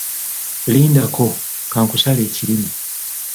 Lindako, ka nkusale ekirimi.